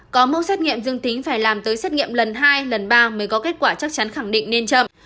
có mẫu xét nghiệm dương tính phải làm tới xét nghiệm lần hai lần ba mới có kết quả chắc chắn khẳng định nên chậm